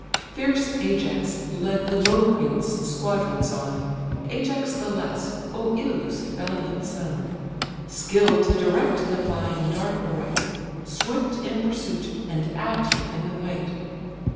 Fierce Ajax led the Locrian squadrons on, Ajax the less, Oïleus' valiant son; Skill'd to direct the flying dart aright; Swift in pursuit, and active in the fight.